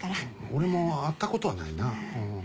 俺も会ったことはないなぁうん。